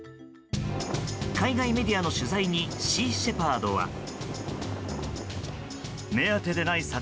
海外メディアの取材にシー・シェパードは。